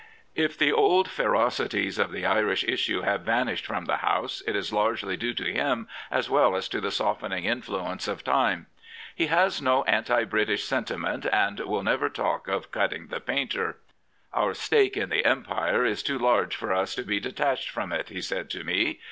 If the old ferities of the Irish issue have vanished from the Hou^ it is largely due to him as well as III Prophets, Priests, and Kings to the softening influence of time. He has no anti British sentiment and will never talk of " cutting the painter.*' Our stake in the Empire is too large for us to be detached from it," he said to me.